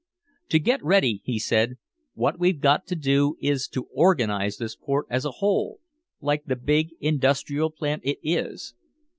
"To get ready," he said, "what we've got to do is to organize this port as a whole, like the big industrial plant it is."